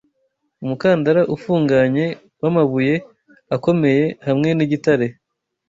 Umukandara ufunganye wamabuye akomeye hamwe nigitare,